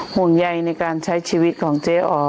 ห่วงใยในการใช้ชีวิตของเจ๊อ๋อ